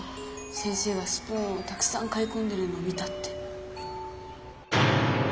先生がスプーンをたくさん買いこんでるのを見たって。